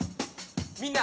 みんな